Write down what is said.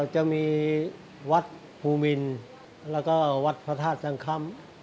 จะมีวัดภูมินและวัดพระธาตุสังคัม